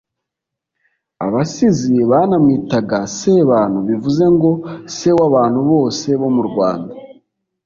abasizi banamwitaga sebantu bivuze ngo: se w'abantu bose bo mu rwanda